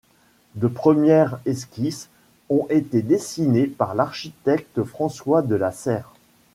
De premières esquisses ont été dessinées par l'architecte François de la Serre.